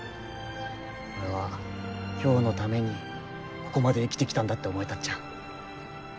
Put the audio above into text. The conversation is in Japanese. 俺は今日のためにここまで生きてきたんだって思えたっちゃ。